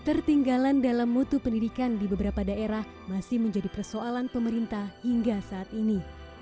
ketertinggalan dalam mutu pendidikan di beberapa daerah masih menjadi persoalan pemerintah hingga saat ini